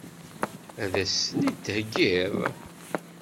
Ad as-ten-id-theggiḍ?